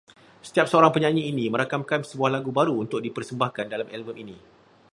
Setiap seorang penyanyi ini merakamkan sebuah lagu baru untuk di persembahkan dalam album ini